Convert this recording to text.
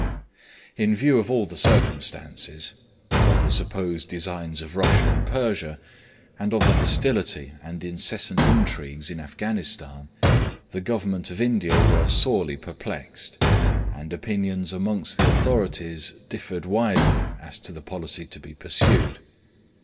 In view of all the circumstances of the supposed designs of Russia and Persia, and of the hostility and incessant intrigues in Afghanistan the Government of India were sorely perplexed, and opinions amongst the authorities widely differed as to the policy to be pursued.